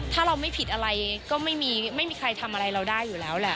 ถ้าเราไม่ผิดอะไรก็ไม่มีใครทำอะไรเราได้อยู่แล้วแหละ